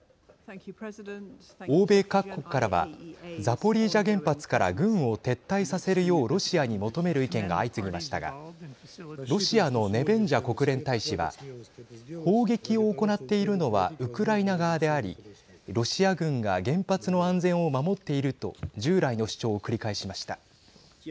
欧米各国からはザポリージャ原発から軍を撤退させるようロシアに求める意見が相次ぎましたがロシアのネベンジャ国連大使は砲撃を行っているのはウクライナ側でありロシア軍が原発の安全を守っていると従来の主張を繰り返しました。